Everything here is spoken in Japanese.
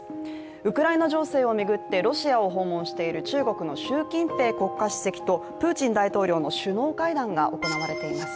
ウクライナ情勢を巡って、ロシアを訪問しているロシアの習近平国家主席と、プーチン大統領の首脳会談が行われています。